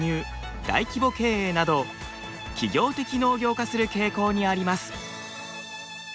大規模経営など企業的農業化する傾向にあります。